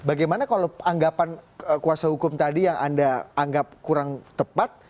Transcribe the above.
bagaimana kalau anggapan kuasa hukum tadi yang anda anggap kurang tepat